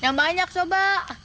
yang banyak soba